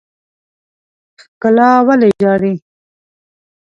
ښکلا ولې ژاړي.